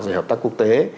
và hợp tác quốc tế